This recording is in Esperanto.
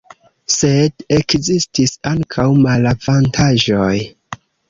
Sed ekzistis ankaŭ malavantaĝoj.